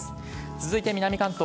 続いて南関東。